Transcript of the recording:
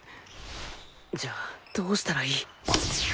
じゃあどうしたらいい？